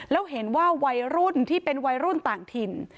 แล้วเห็นว่าวัยรุ่นที่เป็นวัยรุ่นต่างถิ่น